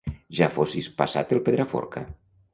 Ja fossis passat el Pedraforca!